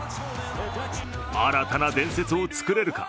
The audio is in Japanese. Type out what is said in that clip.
新たな伝説を作れるか？